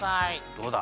どうだ？